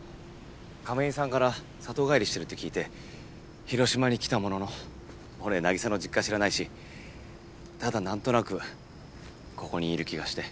亀井さんから里帰りしてるって聞いて広島に来たものの俺凪沙の実家知らないしただなんとなくここにいる気がして。